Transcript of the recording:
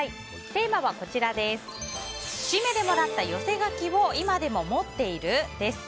テーマは節目でもらった寄せ書きを今でも持っている？です。